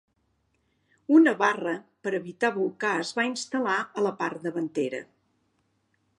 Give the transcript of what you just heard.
Una barra per evitar bolcar es va instal·lar a la part davantera.